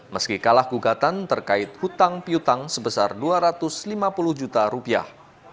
meski kalah gugatan terkait hutang piutang sebesar dua ratus lima puluh juta rupiah